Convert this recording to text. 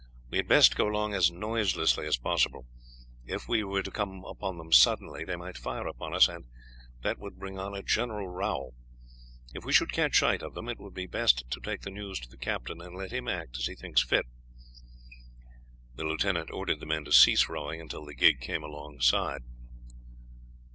We had best go along as noiselessly as possible. If we were to come upon them suddenly they might fire upon us, and that would bring on a general row. If we should catch sight of them, it would be best to take the news to the captain, and let him act as he thinks fit." He ordered the men to cease rowing until the gig came alongside.